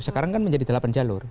sekarang kan menjadi delapan jalur